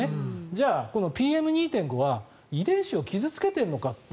じゃあ、ＰＭ２．５は遺伝子を傷付けてるのかって